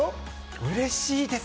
うれしいです。